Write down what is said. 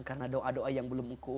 karena doa doa yang belum